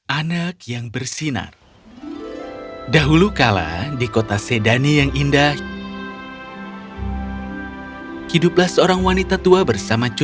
anak yang bersinar